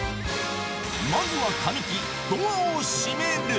まずは神木、ドアを閉める。